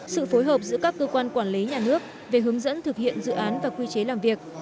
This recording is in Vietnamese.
sự phối hợp giữa các cơ quan quản lý nhà nước về hướng dẫn thực hiện dự án và quy chế làm việc